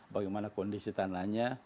bagaimana kondisi tanahnya